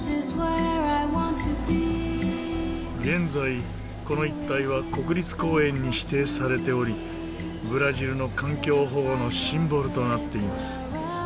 現在この一帯は国立公園に指定されておりブラジルの環境保護のシンボルとなっています。